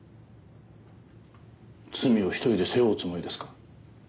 罪を一人で背負うおつもりですか？